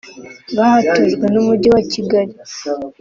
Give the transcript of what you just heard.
bahatujwe n’Umujyi wa Kigali